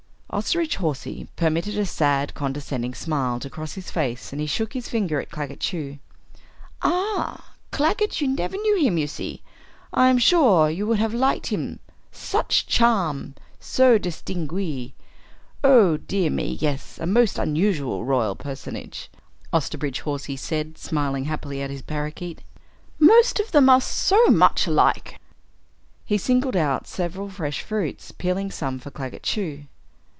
Osterbridge Hawsey permitted a sad condescending smile to cross his face and he shook his finger at Claggett Chew. "Ah, Claggett you never knew him, you see. I am sure you would have liked him such charm! So distingué. Oh dear me yes. A most unusual royal personage," Osterbridge Hawsey said, smiling happily at his parakeet. "Most of them are so much alike " He singled out several fresh fruits, peeling some for Claggett Chew.